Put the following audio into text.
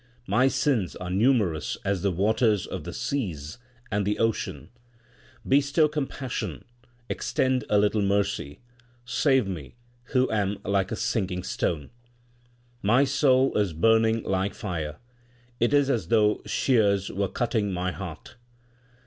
My sins are numerous as the waters of the seas and the ocean. Bestow compassion, extend a little mercy, save me who am like a sinking stone. My soul is burning like fire ; it is as though shears were cutting my heart.